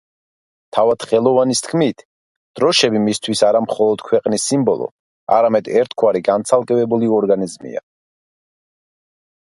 თავად ხელოვანის თქმით, დროშები მისთვის არა მხოლოდ ქვეყნის სიმბოლო, არამედ ერთგვარი განცალკევებული ორგანიზმია.